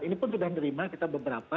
ini pun sudah nerima kita beberapa